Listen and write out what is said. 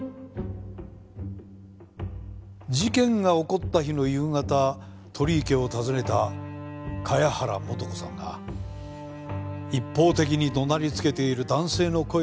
事件が起こった日の夕方鳥居家を訪ねた茅原素子さんが一方的に怒鳴りつけている男性の声を聞いていました。